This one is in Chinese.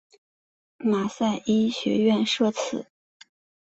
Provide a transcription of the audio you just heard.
马赛医学院设此。